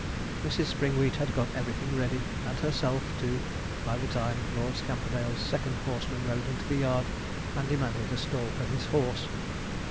Mrs. Springwheat had got everything ready, and herself too, by the time Lord Scamperdale's second horseman rode into the yard and demanded a stall for his horse.